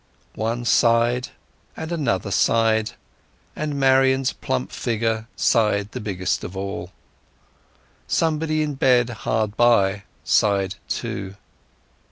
One sighed, and another sighed, and Marian's plump figure sighed biggest of all. Somebody in bed hard by sighed too.